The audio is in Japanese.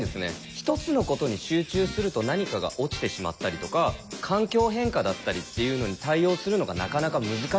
１つのことに集中すると何かが落ちてしまったりとか環境変化だったりっていうのに対応するのがなかなか難しかったり。